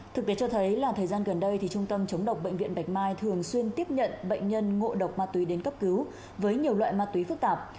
thực tế cho thấy là thời gian gần đây trung tâm chống độc bệnh viện bạch mai thường xuyên tiếp nhận bệnh nhân ngộ độc ma túy đến cấp cứu với nhiều loại ma túy phức tạp